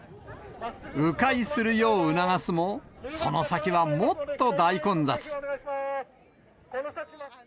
う回するよう促すも、その先はもっと大混雑。